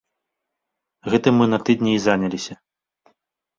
Гэтым мы на тыдні і заняліся.